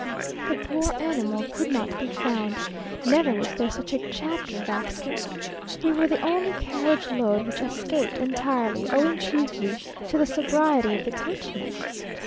The poor animal could not be found. Never was there such a chapter of accidents. We were the only carriage load which escaped entirely, owing chiefly to the sobriety of the coachman.